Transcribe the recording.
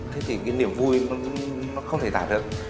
thế thì cái niềm vui nó không thể tả được